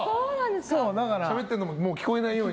しゃべってるのも聞こえないように？